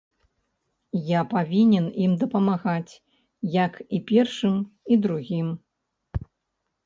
Я павінен ім дапамагаць, як і першым і другім.